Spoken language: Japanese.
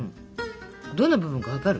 どの部分か分かる？